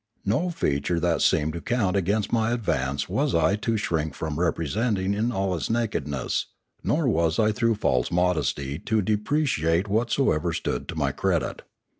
No feature that seemed to count against my advance was I to shrink from representing in all its nakedness, nor was I through false modesty to depreciate whatsoever stood to my credit.